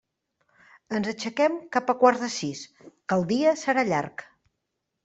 Ens aixequem cap a quarts de sis, que el dia serà llarg.